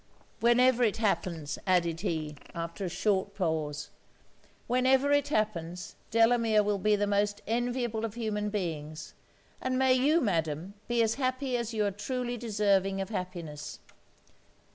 Whenever it happens,' added he, after a short pause 'whenever it happens, Delamere will be the most enviable of human beings: and may you, Madam, be as happy as you are truly deserving of happiness!'